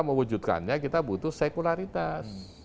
mewujudkannya kita butuh sekularitas